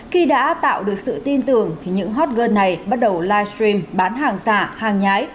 khi đã tạo được sự tin tưởng thì những hot girl này bắt đầu livestream bán hàng giả hàng nhái